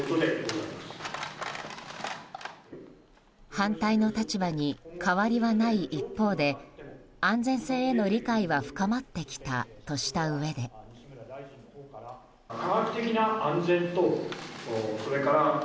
反対の立場に変わりはない一方で安全性への理解は深まってきたとしたうえで。そして再び岸田総理。